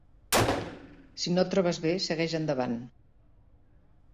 Si no et trobes bé, segueix endavant.